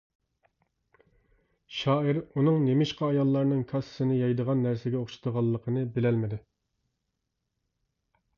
شائىر ئۇنىڭ نېمىشقا ئاياللارنىڭ كاسىسىنى يەيدىغان نەرسىگە ئوخشىتىدىغانلىقىنى بىلەلمىدى.